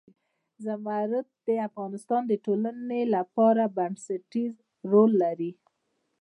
زمرد د افغانستان د ټولنې لپاره بنسټيز رول لري.